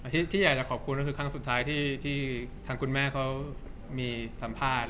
ที่อยากจะขอบคุณก็คือครั้งสุดท้ายที่ทางคุณแม่เขามีสัมภาษณ์